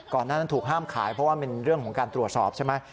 หน้านั้นถูกห้ามขายเพราะว่าเป็นเรื่องของการตรวจสอบใช่ไหม